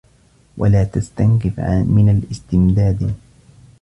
وَلَا تَسْتَنْكِفْ مِنْ الِاسْتِمْدَادِ